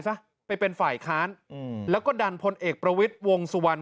ซะไปเป็นฝ่ายค้านอืมแล้วก็ดันพลเอกประวิทย์วงสุวรรณ